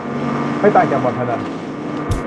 ไม่ต่างจากบ่อนพนัน